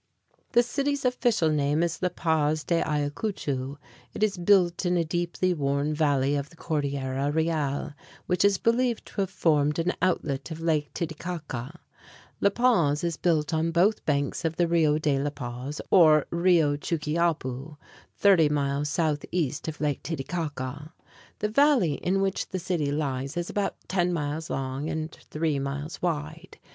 The city's official name is La Paz de Ayacucho (eiah koo´cho). It is built in a deeply worn valley of the Cordillera Real, which is believed to have formed an outlet of Lake Titicaca (tee tee kah´kah). La Paz is built on both banks of the Rio de La Paz, or Rio Chuquiapu, thirty miles southeast of Lake Titicaca. The valley in which the city lies is about ten miles long and three miles wide.